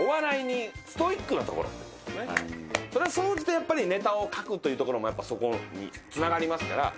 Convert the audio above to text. それは総じてやっぱりネタを書くというところもやっぱそこに繋がりますから。